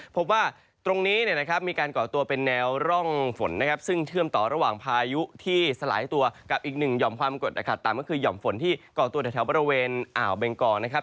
พบว่าตรงนี้เนี่ยนะครับมีการก่อตัวเป็นแนวร่องฝนนะครับซึ่งเชื่อมต่อระหว่างพายุที่สลายตัวกับอีกหนึ่งห่อมความกดอากาศต่ำก็คือห่อมฝนที่ก่อตัวแถวบริเวณอ่าวเบงกอนะครับ